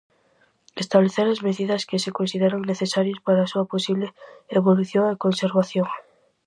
Establecer as medidas que se consideren necesarias para a súa posible evolución e conservación.